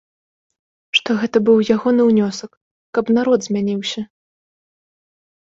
Што гэта быў ягоны ўнёсак, каб народ змяніўся.